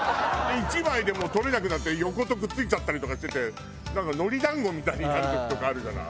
１枚でもう取れなくなって横とくっついちゃったりとかしててなんか海苔団子みたいになる時とかあるじゃない。